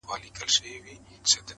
زه به غمو ته شاعري كومه-